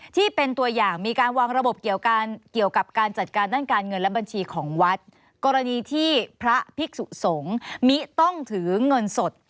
ที่เป็นตัวอย่างมีการวางระบบเกี่ยวกับการจัดการด้านการเงินและบัญชีของวัดกรณีที่พระภิกษุสงฆ์มิต้องถือเงินสด